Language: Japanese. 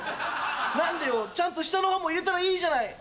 何でよちゃんと下の歯も入れたらいいじゃない！